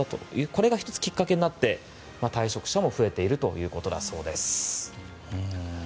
これが１つきっかけになって退職者も増えているということです。